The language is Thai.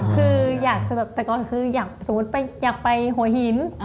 คืออยากจะแบบแต่ก่อนคืออยากสมมุติอยากไปหัวหิน